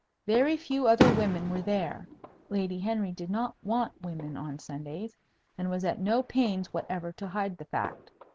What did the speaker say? Very few other women were there. Lady Henry did not want women on Sundays, and was at no pains whatever to hide the fact.